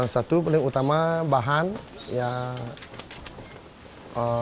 satu paling utama bahan bahan yang bagus hh